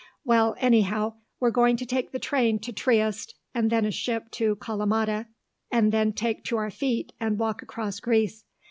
Well, anyhow we're going to take the train to Trieste, and then a ship to Kalamata, and then take to our feet and walk across Greece.